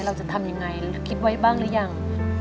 เราจะทำยังไงคิดไว้บ้างหรือยัง